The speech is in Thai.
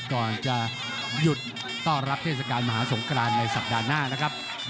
ก่อนจะหยุดต้อนรับเทศกาลมหาสงครานในสัปดาห์หน้านะครับ